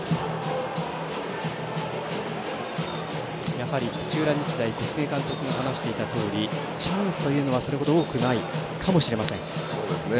やはり土浦日大小菅監督が話していたとおりチャンスというのはそれほど多くないかもしれません。